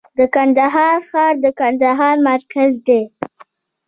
د کندهار ښار د کندهار مرکز دی